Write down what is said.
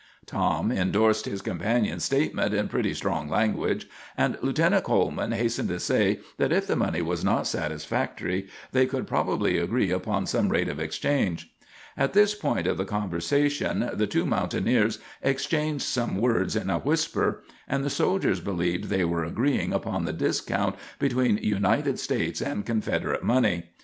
Tom indorsed his companion's statement in pretty strong language, and Lieutenant Coleman hastened to say that if the money was not satisfactory, they could probably agree upon some rate of exchange. At this point of the conversation, the two mountaineers exchanged some words in a whisper, and the soldiers believed they were agreeing upon the discount between United States and Confederate money.